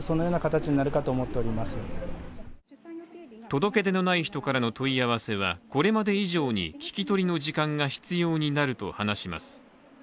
届け出のない人からの問い合わせはこれまで以上に聞き取りの時間が必要になると話します。